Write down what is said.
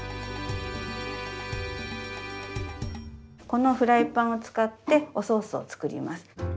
このフライパンを使っておソースを作ります。